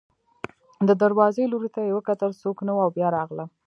د دروازې لوري ته یې وکتل، څوک نه و او بیا راغله.